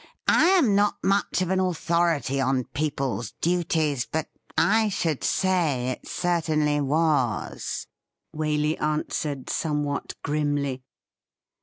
' I am not much of an authority on people"'s duties, but I should say it certainly was,'' Waley answered somewhat grimly.